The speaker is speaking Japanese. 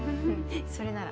それなら。